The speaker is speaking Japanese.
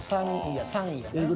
３位やな。